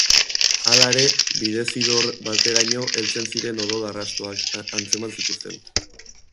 Halere, bidezidor bateraino heltzen ziren odol arrastoak atzeman zituzten.